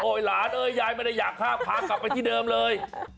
หลานเอ้ยยายไม่ได้อยากข้ามพากลับไปที่เดิมเลย